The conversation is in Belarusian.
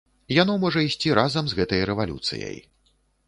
Яно можа ісці разам з гэтай рэвалюцыяй.